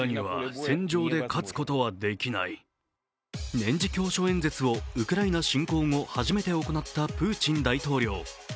年次教書演説をウクライナ侵攻後初めて行ったプーチン大統領。